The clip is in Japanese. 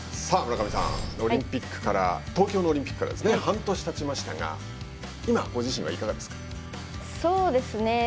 村上さん、オリンピックから東京のオリンピックから半年たちましたが今ご自身はいかがですか？